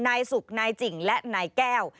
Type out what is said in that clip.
นายสุกนายจิ่งและนายแก้ว